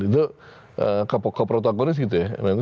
itu ke protagoris gitu ya